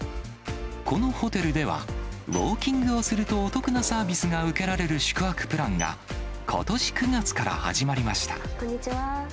このホテルでは、ウォーキングをするとお得なサービスが受けられる宿泊プランが、ことし９月から始まりました。